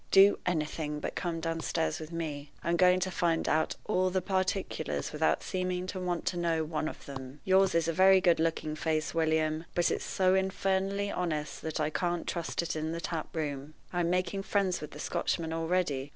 Do anything but come downstairs with me. I'm going to find out all the particulars without seeming to want to know one of them. Yours is a very good looking face, William, but it's so infernally honest that I can't trust it in the tap room. I'm making friends with the Scotchmen already.